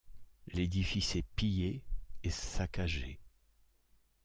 L’édifice est pillé et saccagé.